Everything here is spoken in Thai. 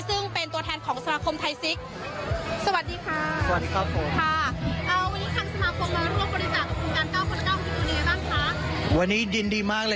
ซึ่งเป็นตัวแทนของสมาคมไทยซิกสวัสดีค่ะ